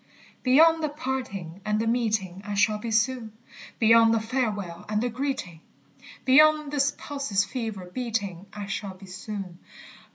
Beyond the parting and the meeting I shall be soon; Beyond the farewell and the greeting, Beyond this pulse's fever beating, I shall be soon.